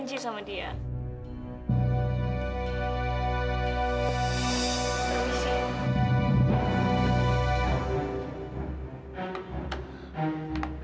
iya sih gue juga tahu